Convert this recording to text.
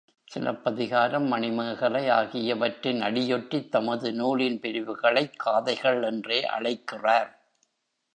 சிலப்பதிகாரம், மணிமேகலை ஆகியவற்றின் அடியொற்றித் தமது நூலின் பிரிவுகளைக் காதைகள் என்றே அழைக்கிறார்.